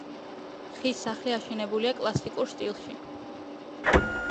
ხის სახლი აშენებულია კლასიკურ სტილში.